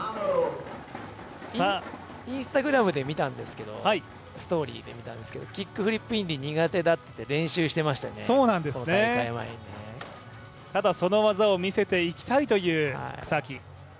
Ｉｎｓｔａｇｒａｍのストーリーで見たんですけど、キックフリップインディ苦手だって練習してましたね、この大会前にただその技を見せていきたいという草木。